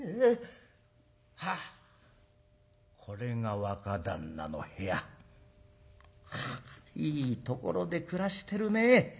はっこれが若旦那の部屋。かいいところで暮らしてるね。